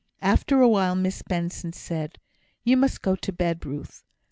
After a while Miss Benson said: "You must go to bed, Ruth!"